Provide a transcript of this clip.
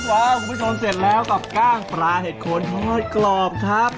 คุณผู้ชมเสร็จแล้วกับกล้างปลาเห็ดโคนทอดกรอบครับ